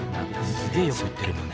すげえよく言ってるもんね。